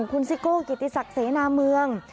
คุณซิโก้กิติศักดิ์เสนาเมือง